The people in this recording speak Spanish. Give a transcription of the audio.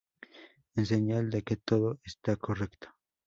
en señal de que todo está correcto